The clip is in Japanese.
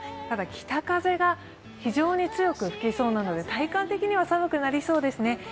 ただ、北風が非常に強く吹きそうなので体感的には寒そうですね。